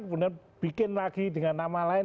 kemudian bikin lagi dengan nama lain